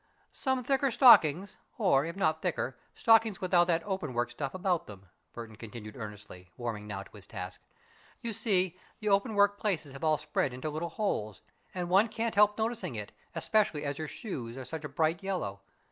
"Some thicker stockings, or, if not thicker, stockings without that open work stuff about them," Burton continued earnestly, warming now to his task. "You see, the open work places have all spread into little holes, and one can't help noticing it, especially as your shoes are such a bright yellow.